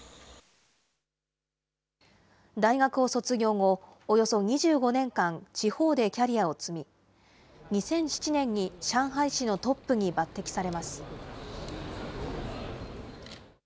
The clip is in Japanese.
大学を卒業後、およそ２５年間、地方でキャリアを積み、２００７年に上海市のトップに抜てきされます。